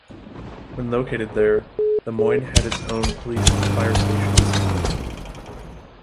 When located there, LeMoyne had its own police and fire stations.